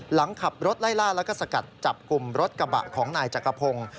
หลังขับรถไล่ล่าแล้วก็สกัดจับกลุ่มรถกระบะของนายจักรพงศ์